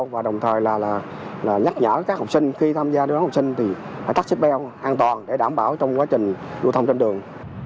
và đồng thời là nhắc nhở các học sinh khi tham gia đưa đón học sinh thì phải tắt xếp bèo an toàn để đảm bảo trong quá trình đua thông trên đường